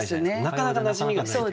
なかなかなじみがない。